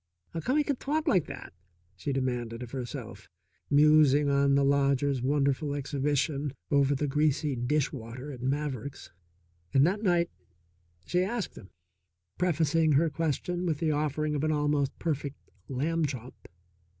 "How come he c'n talk like that?" she demanded of herself, musing on the lodger's wonderful exhibition over the greasy dish water at Maverick's. And that night she asked him, prefacing her question with the offering of an almost perfect lamb chop.